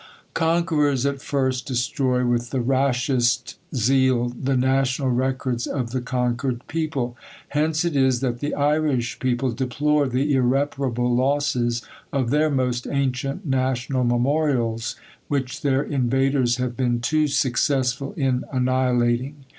Conquerors at first destroy with the rashest zeal the national records of the conquered people; hence it is that the Irish people deplore the irreparable losses of their most ancient national memorials, which their invaders have been too successful in annihilating.